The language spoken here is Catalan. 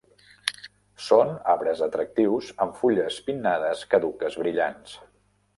Són arbres atractius amb fulles pinnades caduques brillants.